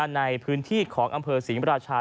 ในพื้นที่ของอำเภอสิงห์ประราชา